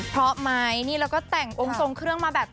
เพราะไหมนี่แล้วก็แต่งองค์ทรงเครื่องมาแบบ